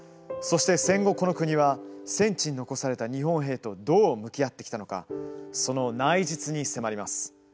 そして、戦後この国は戦地に残された日本兵とどう向き合ってきたのかその内実に迫ります。